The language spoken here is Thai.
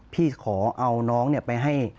พี่ขอเอาน้องไปให้